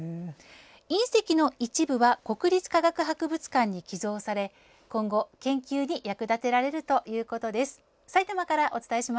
隕石の一部は国立科学博物館に寄贈され今後、研究に役立てられるということです。